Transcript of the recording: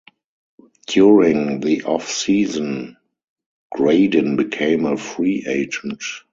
During the off-season, Gradin became a free agent.